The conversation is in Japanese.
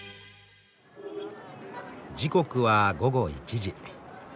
時刻は午後１時。